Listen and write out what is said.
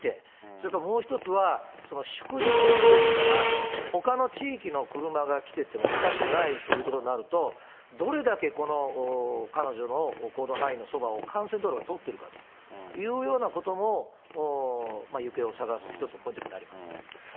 それからもう一つは、祝日ですから、ほかの地域の車が来ててもおかしくないということになると、どれだけ彼女の行動範囲のそばを幹線道路が通っているかというようなことも、行方を探す一つのポイントにはなりますね。